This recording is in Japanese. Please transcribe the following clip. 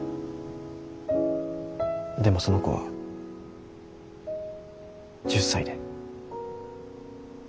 でもその子は１０才で。